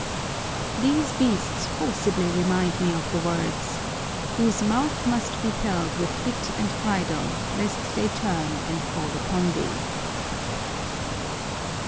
These beasts forcibly remind me of the words, "Whose mouth must be held with bit and bridle, lest they turn and fall upon thee."